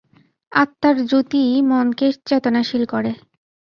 আত্মার জ্যোতিঃই মনকে চেতনাশীল করে।